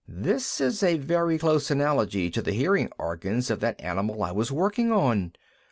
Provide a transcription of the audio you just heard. "This is a very close analogy to the hearing organs of that animal I was working on.